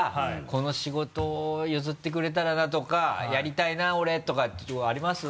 「この仕事譲ってくれたらな」とか「やりたいな俺」とかって希望あります？